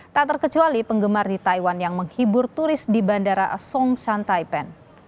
tak terkecuali penggemar di taiwan yang menghibur turis di bandara song shan taipan